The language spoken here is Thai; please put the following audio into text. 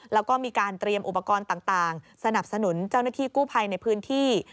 แล้วก็มีการเตรียมอุปกรณ์ต่างสนับสนุนเจ้าหน้าที่กู้ภัยในพื้นที่